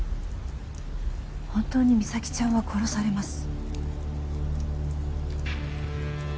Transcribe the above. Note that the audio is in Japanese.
本当に実咲ちゃんは殺されます